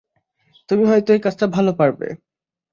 তুমি হয়তো এই কাজটা ভালো পারবে।